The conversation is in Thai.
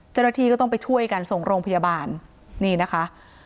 เจ้าหน้าที่ก็ต้องไปช่วยกันส่งโรงพยาบาลนี่นะคะ